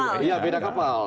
iya beda kapal